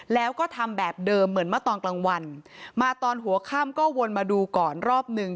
แล้วก็ทำแบบเดิมเหมือนเมื่อตอนกลางวันมาตอนหัวค่ำก็วนมาดูก่อนรอบหนึ่ง